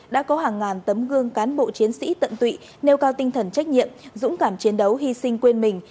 đã có hàng ngàn tấm gương cán bộ chiến sĩ tận tụy nêu cao tinh thần trách nhiệm dũng cảm chiến đấu hy sinh quên mình